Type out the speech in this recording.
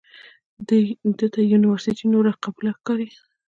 ده ته یونورسټي نوره قبوله ښکاري.